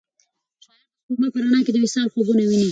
شاعر د سپوږمۍ په رڼا کې د وصال خوبونه ویني.